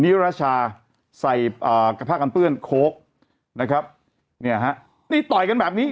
นิรชาใส่อ่ากระผ้ากันเปื้อนโค้กนะครับเนี่ยฮะนี่ต่อยกันแบบนี้